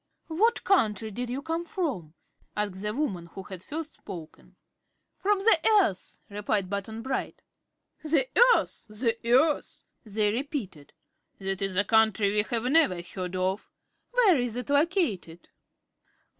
"What country did you come from?" asked the woman who had first spoken. "From the Earth," replied Button Bright. "The Earth! The Earth!" they repeated. "That is a country we have never heard of. Where is it located?"